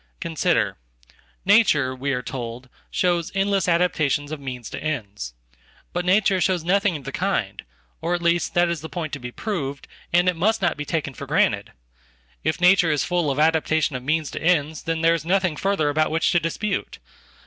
Consider. Nature, we are told, shows endless adaptations ofmeans to ends. But nature shows nothing of the kind — or, atleast, that is the point to be proved, and it must not be taken forgranted. If nature is full of adaptation of means to ends, thenthere is nothing further about which to dispute.